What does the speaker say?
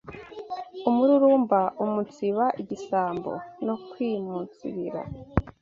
umururumba, umunsiba igisambo, no kwiumunsibira.